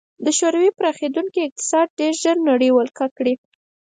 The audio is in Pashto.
د شوروي پراخېدونکی اقتصاد ډېر ژر نړۍ ولکه کړي